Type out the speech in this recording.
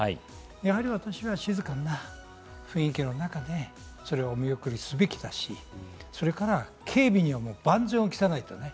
やはり私は静かな雰囲気の中で、それを見送りするべきだし、それから警備には万全を期さないとね。